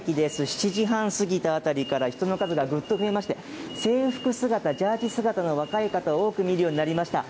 ７時半過ぎたあたりから、人の数がぐっと増えまして、制服姿、ジャージ姿の若い方、多く見るようになりました。